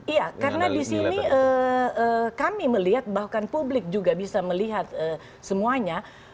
iya karena di sini kami melihat bahkan publik juga bisa melihat semuanya